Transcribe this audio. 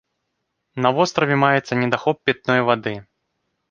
На востраве маецца недахоп пітной вады.